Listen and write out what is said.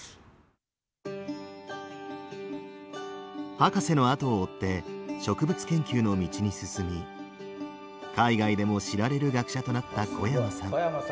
博士の後を追って植物研究の道に進み海外でも知られる学者となった小山さん。